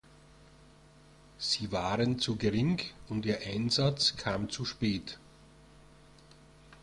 Sie waren zu gering, und ihr Einsatz kam zu spät.